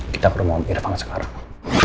kita perlu ngomong irvan sekarang